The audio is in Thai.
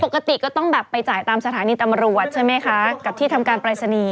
ปกติก็ต้องแบบไปจ่ายตามสถานีตำรวจใช่ไหมคะกับที่ทำการปรายศนีย์